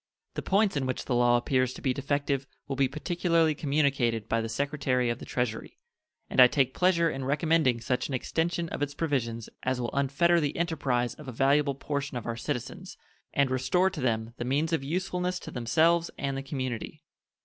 The points in which the law appears to be defective will be particularly communicated by the Secretary of the Treasury, and I take pleasure in recommending such an extension of its provisions as will unfetter the enterprise of a valuable portion of our citizens and restore to them the means of usefulness to themselves and the community.